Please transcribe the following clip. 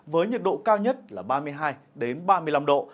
với nhiệt độ cao nhất là ba mươi hai ba mươi năm độ